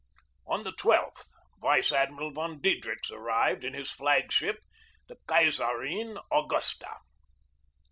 On the 1 2th Vice Admiral von Diedrichs arrived in his flag ship, the Kaiserin Augusta.